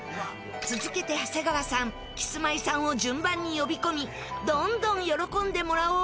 続けて長谷川さんキスマイさんを順番に呼び込みどんどん喜んでもらおうという作戦。